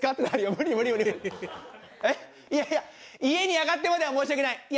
いやいや家に上がってまでは申し訳ない。